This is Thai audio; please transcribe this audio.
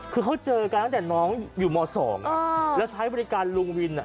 คือเขาเจอกันตั้งแต่น้องอยู่ม๒แล้วใช้บริการลุงวิน